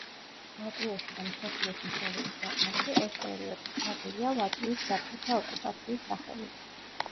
ლატვიაში და მსოფლიოს მთელ რიგ ქვეყნებში ეს პერიოდი ცნობილია ლატვიის საბჭოთა ოკუპაციის სახელით.